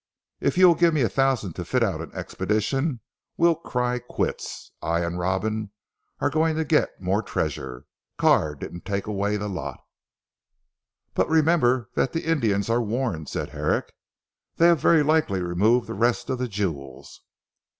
If you'll give me a thousand to fit out an expedition we'll cry quits. I and Robin are going to get more treasure. Carr didn't take away the lot." "But remember that the Indians are warned," said Herrick, "they have very likely removed the rest of the jewels."